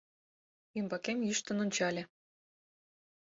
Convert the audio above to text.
Ӱмбакем йӱштын ончале.